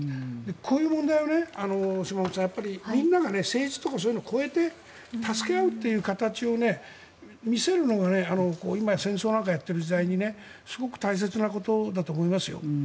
こういう問題を島本さん、みんなが政治とかそういうのを超えて助け合うという形を見せるのが、今、戦争なんかをやっている時代にすごく大切なことだと思いますよ。